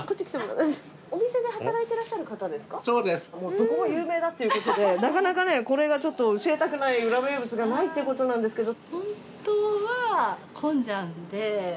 どこも有名だということでなかなかねこれがちょっと教えたくない裏名物がないってことなんですけど。